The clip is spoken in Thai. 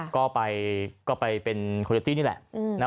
ก็ไปเป็นโคโยตี้นี่แหละ